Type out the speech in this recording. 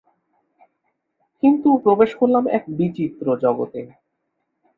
কিন্তু প্রবেশ করলাম এক বিচিত্র জগতে।